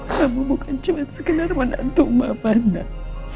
kamu bukan cuma sekenar wanita untuk mama anak